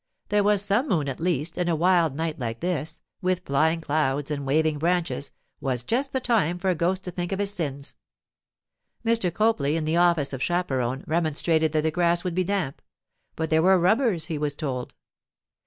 There was some moon at least, and a wild night like this, with flying clouds and waving branches, was just the time for a ghost to think of his sins. Mr. Copley, in the office of chaperon, remonstrated that the grass would be damp; but there were rubbers, he was told.